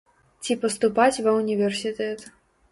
Ці паступаць ва ўніверсітэт.